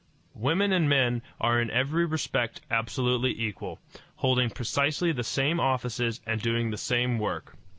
Women and men are in every respect absolutely equal, holding precisely the same offices and doing the same work.